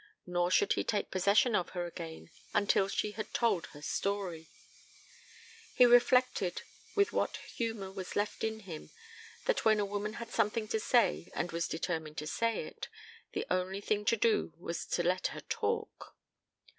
Nor should he take possession of her again until she had told her story: he reflected with what humor was left in him that when a woman had something to say and was determined to say it, the only thing to do was to let her talk.